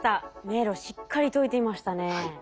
迷路しっかり解いていましたね。